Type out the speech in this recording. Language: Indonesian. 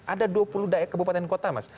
ada dua puluh kebupaten kota mas